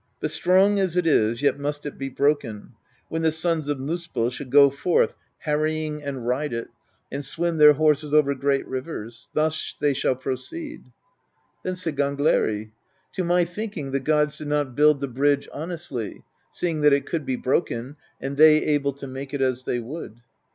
But strong as it is, yet must it be broken, when the sons of Miispell shall go forth harrying THE BEGUILING OF GYLFI 25 and ride it, and swim their horses over great rivers; thus they shall proceed." Then said Gangleri: "To my think ing the gods did not build the bridge honestly, seeing that it could be broken, and they able to make it as they would."